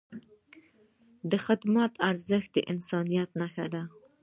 د خدمت ارزښت د انسانیت نښه ده.